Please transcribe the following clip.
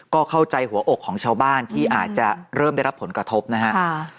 ก็เข้าใจหัวอกของชาวบ้านที่อาจจะเริ่มได้รับผลกระทบนะฮะ